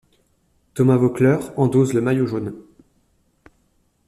Thomas Voeckler endosse le maillot jaune.